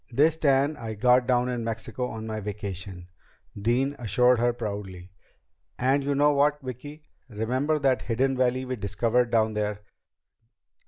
"This tan I got down in Mexico on my vacation," Dean assured her proudly. "And you know what, Vicki? Remember that hidden valley we discovered down there?